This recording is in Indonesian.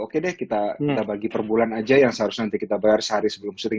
oke deh kita bagi per bulan aja yang seharusnya nanti kita bayar sehari sebelum sering